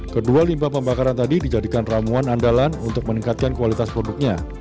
kedua limbah pembakaran tadi dijadikan ramuan andalan untuk meningkatkan kualitas produknya